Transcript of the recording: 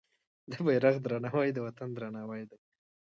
د بیرغ درناوی د وطن درناوی دی.